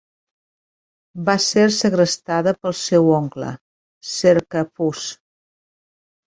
Va ser segrestada pel seu oncle, Cercaphus.